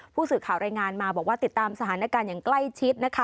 ผู้สื่อข่าวรายงานมาบอกว่าติดตามสถานการณ์อย่างใกล้ชิดนะคะ